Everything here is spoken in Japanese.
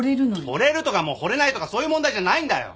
ほれるとかもうほれないとかそういう問題じゃないんだよ！